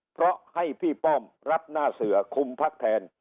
เพราะให้พี่ป้อมรับหน้าเสือคุมพักแทน